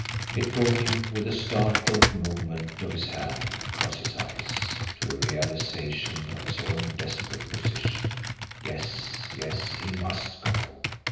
It brought him, with a startled movement of his hand across his eyes, to a realisation of his own desperate position. Yes, yes, he must go!